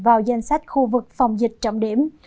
vào danh sách khu vực phòng dịch trọng điểm